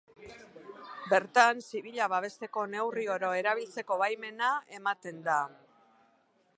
Bertan, zibilak babesteko neurri oro erabiltzeko baimena ematen da.